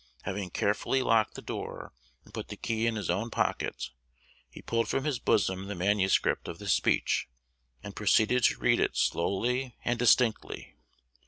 Having carefully locked the door, and put the key in his own pocket, he pulled from his bosom the manuscript of his speech, and proceeded to read it slowly and distinctly.